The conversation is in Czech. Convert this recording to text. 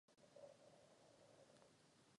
Je jasné, že k vymýcení tuberkulózy máme ještě daleko.